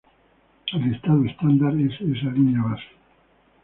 El estado estándar es esa línea base.